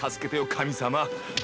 神様。